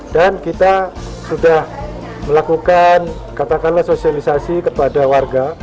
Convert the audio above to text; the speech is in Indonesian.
dan kita sudah melakukan katakanlah sosialisasi kepada warga